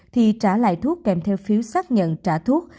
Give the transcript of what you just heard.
thì trả lại thuốc kèm theo phiếu xác nhận trả thuốc